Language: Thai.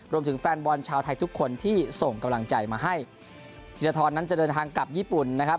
แฟนบอลชาวไทยทุกคนที่ส่งกำลังใจมาให้ธีรทรนั้นจะเดินทางกลับญี่ปุ่นนะครับ